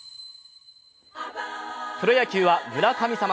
プロ野球は村神様